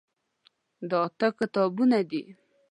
دا اته کتابونه دي.